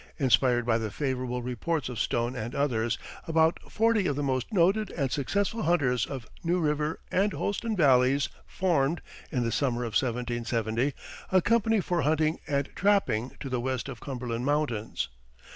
Inspired by the favorable reports of Stone and others, about forty of the most noted and successful hunters of New River and Holston Valleys formed, in the summer of 1770, a company for hunting and trapping to the west of Cumberland Mountains.